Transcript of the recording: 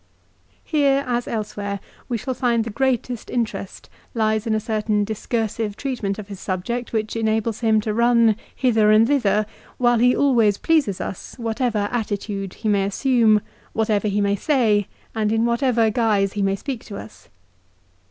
Here as elsetvhere we shall find the greatest interest lies in a certain discursive treatment of his subject which enables him to run hither and thither, while he always pleases us, whatever attitude he may assume, whatever he may say, and in what ever guise he may speak to us.